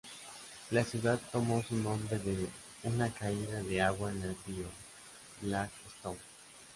La ciudad toma su nombre de una caída de agua en el Río Blackstone.